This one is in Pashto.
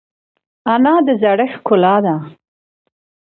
انا د زړښت ښکلا ده